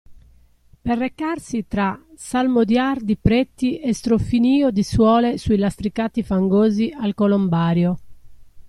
Per recarsi, tra salmodiar di preti e strofinio di suole sui lastricati fangosi, al Colombario.